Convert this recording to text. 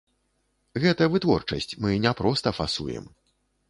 Гэта вытворчасць, мы не проста фасуем.